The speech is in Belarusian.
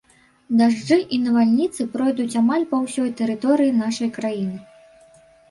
Дажджы і навальніцы пройдуць амаль па ўсёй тэрыторыі нашай краіны.